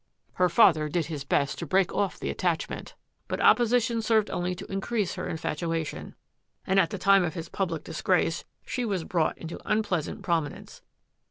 Her father did his best to break off the attachment, but opposition served only to increase her infatuation, and at the time of his public disgrace she was brought into un pleasant prominence.